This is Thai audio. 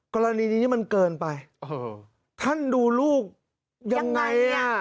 กรณีนี้มันเกินไปท่านดูลูกยังไงอ่ะ